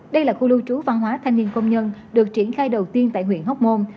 đây là khu lưu trú văn hóa thanh niên công nhân được triển khai đầu tiên tại huyện hóc môn